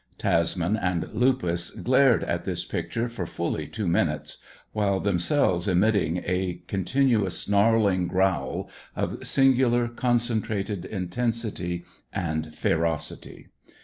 Tasman and Lupus glared at this picture for fully two minutes, while themselves emitting a continuous snarling growl of singular, concentrated intensity and ferocity.